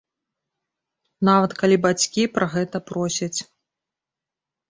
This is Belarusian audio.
Нават калі бацькі пра гэта просяць.